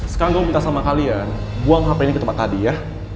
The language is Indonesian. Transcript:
sekarang gue minta sama kalian buang hp ini ke tempat tadi ya